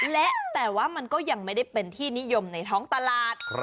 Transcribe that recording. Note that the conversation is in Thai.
และแต่ว่ามันก็ยังไม่ได้เป็นที่นิยมในท้องตลาด